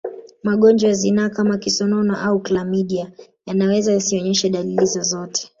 Magonjwa ya zinaa kama kisonono au klamidia yanaweza yasionyeshe dalili zozote